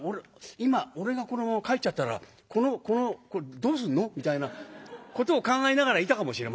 「今俺がこのまま帰っちゃったらこのこのこれどうすんの？」みたいなことを考えながらいたかもしれません。